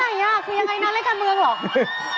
คือยังไงน่ะรายการเมืองหรือ